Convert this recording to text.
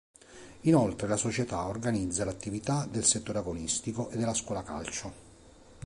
Inoltre la società organizza l'attività del settore agonistico e della scuola calcio.